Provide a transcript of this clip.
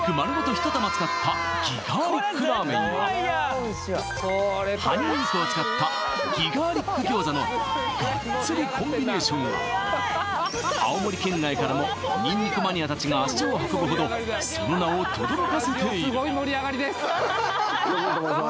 １玉使ったギガーリックラーメンや葉ニンニクを使ったギガーリック餃子のがっつりコンビネーションは青森県外からもニンニクマニアたちが足を運ぶほどその名をとどろかせている横井と申します